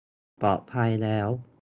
ปลอดภัยแล้ว